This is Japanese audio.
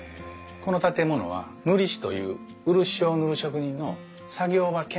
この建物は塗師という漆を塗る職人の作業場兼住居だったんです。